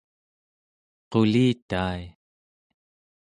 qulitai